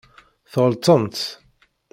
Tɣelṭemt.